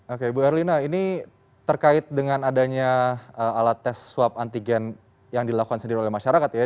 oke ibu erlina ini terkait dengan adanya alat tes swab antigen yang dilakukan sendiri oleh masyarakat ya